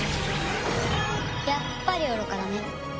やっぱり愚かだね。